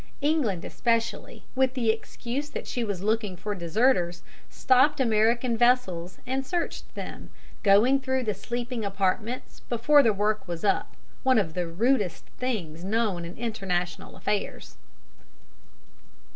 England especially, with the excuse that she was looking for deserters, stopped American vessels and searched them, going through the sleeping apartments before the work was done up, one of the rudest things known in international affairs.